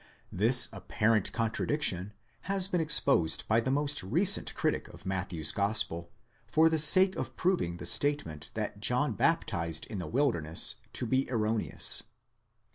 This apparent contradiction has been exposed by the most recent critic of Matthew's gospel, for the sake of proving the statement that John baptized in the wilderness to be erroneous.!.